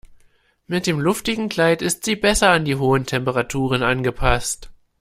Mit dem luftigen Kleid ist sie besser an die hohen Temperaturen angepasst.